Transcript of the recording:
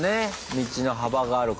道の幅があるから。